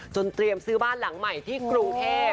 เตรียมซื้อบ้านหลังใหม่ที่กรุงเทพ